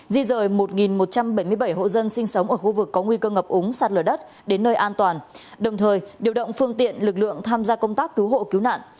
di rời một một trăm bảy mươi bảy hộ dân sinh sống ở khu vực có nguy cơ ngập úng sạt lở đất đến nơi an toàn đồng thời điều động phương tiện lực lượng tham gia công tác cứu hộ cứu nạn